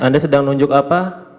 anda sedang nunjukkan apa